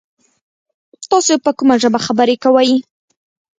تاسو په کومه ژبه خبري کوی ؟